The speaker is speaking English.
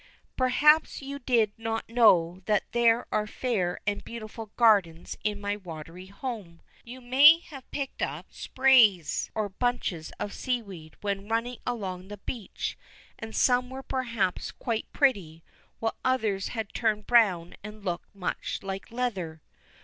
Perhaps you did not know that there are fair and beautiful gardens in my watery home. You may have picked up sprays or bunches of seaweed when running along the beach, and some were perhaps quite pretty, while others had turned brown and looked much like leather.